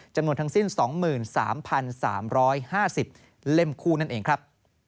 จำนวนทั้งสิ้น๒๓๓๕๐เล่มคู่นั่นเองครับ